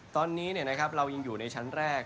ตอนนี้เนี่ยนะครับเรายังอยู่ในชั้นแรก